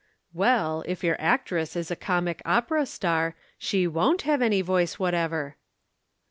"Well, if your actress is a comic opera star, she won't have any voice whatever."